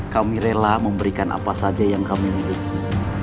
kami rela memberikan apa saja yang kami miliki